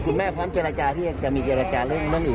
คุณแม่ความเจรจาลีกจะมีเจรจาเรื่องเรื่องอื่น